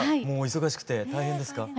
もう忙しくて大変ですか？